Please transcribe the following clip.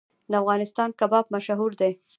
د افغانستان کباب مشهور دی